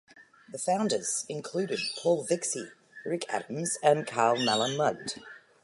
The founders included Paul Vixie, Rick Adams and Carl Malamud.